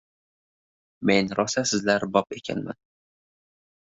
— Men rossa sizlarbop ekanman.